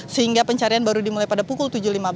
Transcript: sehingga pencarian baru dimulai pada pukul tujuh lima belas